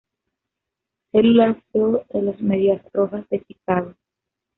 Cellular Field de los Medias Rojas de Chicago.